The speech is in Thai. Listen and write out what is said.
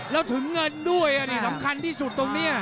แล้วถึงเงินด้วยอันนี้สำคัญที่สุดตรงนี้